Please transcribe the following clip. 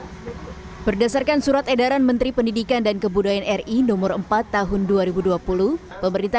hai berdasarkan surat edaran menteri pendidikan dan kebudayaan ri nomor empat tahun dua ribu dua puluh pemerintah